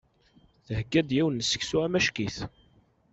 Thegga-d yiwen n seksu amacki-t.